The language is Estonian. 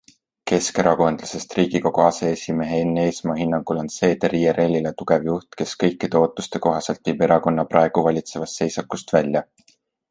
Keskerakondlasest Riigikogu aseesimehe Enn Eesmaa hinnangul on Seeder IRLile tugev juht, kes kõikide ootuste kohaselt viib erakonna praegu valitsevast seisakust välja.